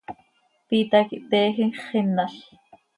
Piita quih teejim x, xinal.